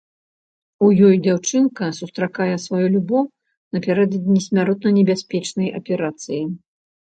У ёй дзяўчынка сустракае сваю любоў напярэдадні смяротна небяспечнай аперацыі.